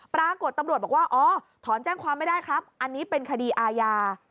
ปรากฏตำรวจบอกว่าอ๋อถอนแจ้งความไม่ได้ครับอันนี้เป็นคดีอาญา